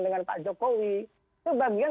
dengan pak jokowi itu bagian